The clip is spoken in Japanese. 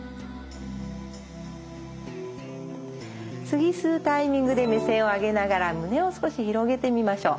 次吸うタイミングで目線を上げながら胸を少し広げてみましょう。